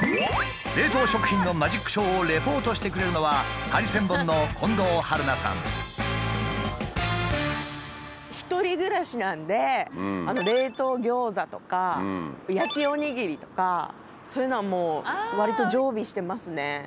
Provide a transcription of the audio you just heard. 冷凍食品のマジックショーをリポートしてくれるのは１人暮らしなんで冷凍ギョーザとか焼きおにぎりとかそういうのはもうわりと常備してますね。